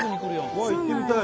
うわ行ってみたい